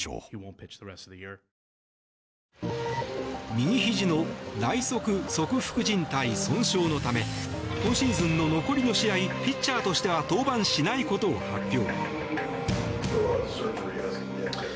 右ひじの内側側副じん帯損傷のため今シーズンの残りの試合ピッチャーとしては登板しないことを発表。